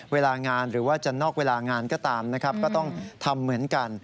เวลางานหรือว่าจะนอกเวลางานก็ตามนะครับก็ต้องทำเหมือนกัน